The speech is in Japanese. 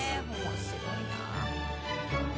「面白いな！」